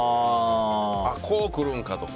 こうくるんかとか。